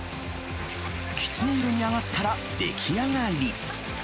きつね色に揚がったら出来上がり。